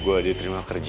gue diterima kerja